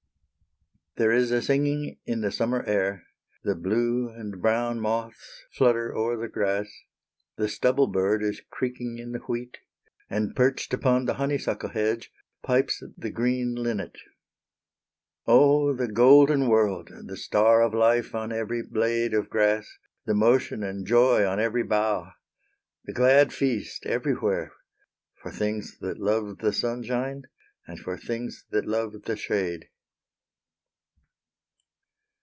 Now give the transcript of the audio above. There is a singing in the summer air, The blue and brown moths flutter o'er the grass, The stubble bird is creaking in the wheat, And, perched upon the honeysuckle hedge, Pipes the green linnet. Oh! the golden world The star of life on every blade of grass, The motion and joy on every bough, The glad feast everywhere, for things that love The sunshine, and for things that love the shade.